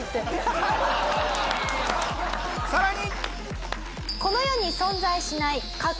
さらに。